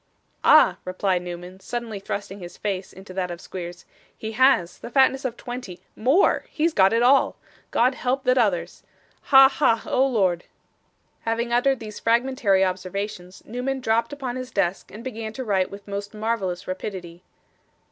'Ah!' replied Newman, suddenly thrusting his face into that of Squeers, 'he has; the fatness of twenty! more! He's got it all. God help that others. Ha! ha! Oh Lord!' Having uttered these fragmentary observations, Newman dropped upon his desk and began to write with most marvellous rapidity.